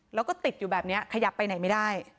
แล้วก็ติดอยู่แบบนี้ขยับไปไหนไม่ได้